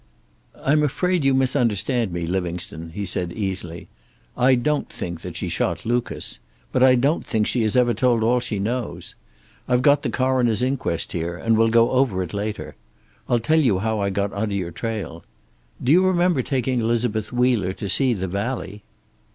"I'm afraid you misunderstand me, Livingstone," he said easily. "I don't think that she shot Lucas. But I don't think she has ever told all she knows. I've got the coroner's inquest here, and we'll go over it later. I'll tell you how I got onto your trail. Do you remember taking Elizabeth Wheeler to see 'The Valley?'"